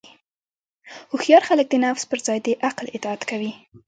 هوښیار خلک د نفس پر ځای د عقل اطاعت کوي.